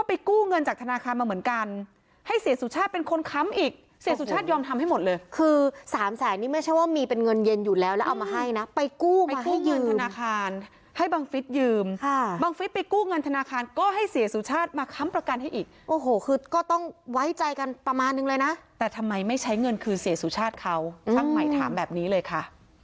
ไปกู้เงินธนาคารให้บังฟิศยืมบังฟิศไปกู้เงินธนาคารก็ให้เศรษฐ์สุชาติมาค้ำประกันให้อีกโอ้โหคือก็ต้องไว้ใจกันประมาณหนึ่งเลยนะแต่ทำไมไม่ใช้เงินคือเศรษฐ์สุชาติเขาช่างใหม่ถามแบบนี้เลยค่ะ